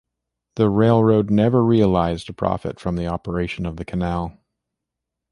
The railroad never realized a profit from the operation of the canal.